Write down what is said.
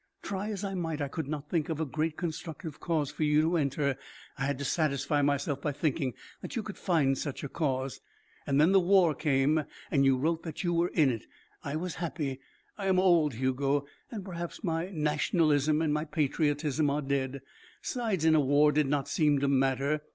Try as I might, I could not think of a great constructive cause for you to enter. I had to satisfy myself by thinking that you could find such a cause. Then the war came. And you wrote that you were in it. I was happy. I am old, Hugo, and perhaps my nationalism and my patriotism are dead. Sides in a war did not seem to matter.